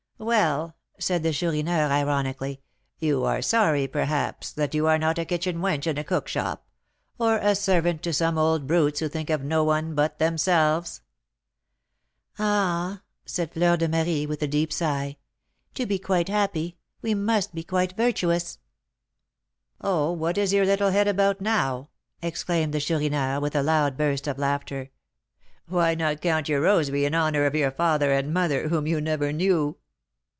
"Well," said the Chourineur, ironically, "you are sorry, perhaps, that you are not a kitchen wench in a cook shop, or a servant to some old brutes who think of no one but themselves." "Ah!" said Fleur de Marie, with a deep sigh, "to be quite happy, we must be quite virtuous." "Oh, what is your little head about now?" exclaimed the Chourineur, with a loud burst of laughter. "Why not count your rosary in honour of your father and mother, whom you never knew?"